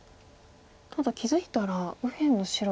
ただ気付いたら右辺の白。